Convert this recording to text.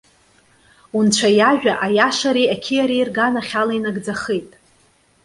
Унцәа иажәа, аиашареи ақьиареи рганахьала инагӡахеит.